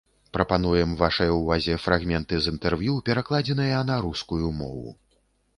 Прапануем вашай увазе фрагменты з інтэрв'ю, перакладзеныя на рускую мову.